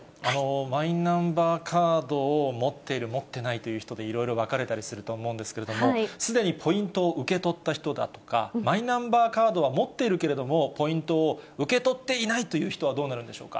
マイナンバーカードを持っている、持っていないという人でいろいろ分かれたりするとは思うんですけれども、すでにポイントを受け取った人だとか、マイナンバーカードは持っているけれども、ポイントを受け取っていないという人は、どうなるんでしょうか。